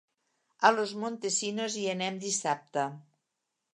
A Los Montesinos hi anem dissabte.